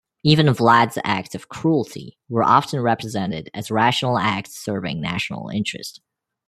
Even Vlad's acts of cruelty were often represented as rational acts serving national interest.